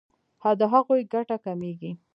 د هغوی ګټه کمیږي.